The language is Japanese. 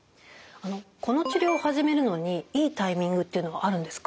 この治療を始めるのにいいタイミングっていうのはあるんですか？